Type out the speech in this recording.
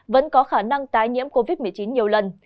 vẫn có khả năng tái nhiễm covid một mươi chín nhiều lần